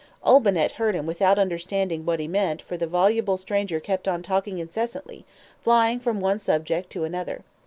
Olbinett heard him without understanding what he meant for the voluble stranger kept on talking incessantly, flying from one subject to another.